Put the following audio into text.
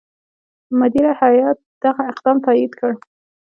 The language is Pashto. مدیره هیات دغه اقدام تایید کړ.